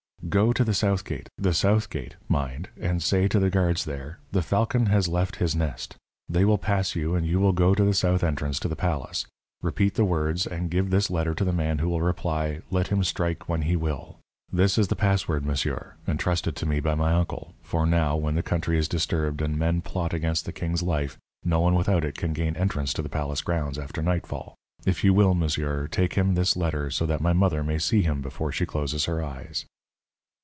"Go to the south gate the south gate, mind and say to the guards there, 'The falcon has left his nest.' They will pass you, and you will go to the south entrance to the palace. Repeat the words, and give this letter to the man who will reply 'Let him strike when he will.' This is the password, monsieur, entrusted to me by my uncle, for now when the country is disturbed and men plot against the king's life, no one without it can gain entrance to the palace grounds after nightfall. If you will, monsieur, take him this letter so that my mother may see him before she closes her eyes."